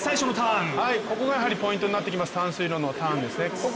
ここがポイントになってきますが短水路のターンです。